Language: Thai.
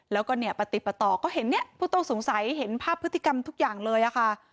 แล้วก็เนี่ยปฏิปต่อก็เห็นเนี่ยผู้ต้องสงสัยเห็นภาพพฤติกรรมทุกอย่างเลยอะค่ะ